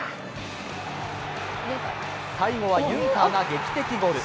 最後はユンカーが劇的ゴール。